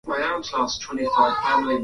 umaliza uadui baina ya nchi hizo mbili